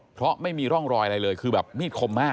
เพราะไม่มีร่องรอยอะไรเลยคือแบบมีดคมมาก